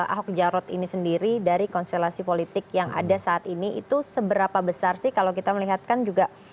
ahok jarot ini sendiri dari konstelasi politik yang ada saat ini itu seberapa besar sih kalau kita melihatkan juga